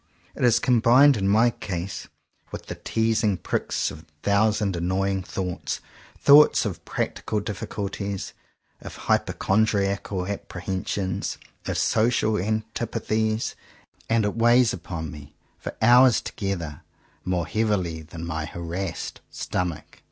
It is combined in my case with the teasing pricks of a thou 32 JOHN COWPER POWYS sand annoying thoughts — thoughts of prac tical difficulties, of hypochondriacal appre hensions, of social antipathies; and it weighs upon me, for hours together, more heavily than my harassed stomach.